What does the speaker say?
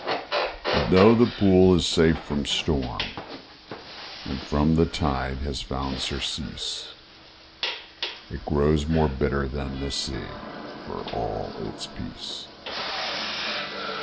But tho' the pool is safe from storm And from the tide has found surcease, It grows more bitter than the sea, For all its peace.